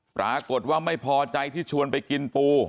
ปรากฏว่าไม่พอใจที่ชวนไปกินปู